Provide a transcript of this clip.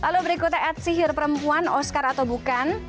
lalu berikutnya at sihir perempuan oscar atau bukan